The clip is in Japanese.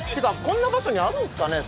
こんな場所にあるんですかね？